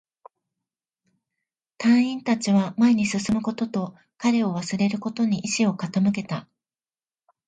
隊員達は前に進むことと、彼を忘れることに意志を傾けた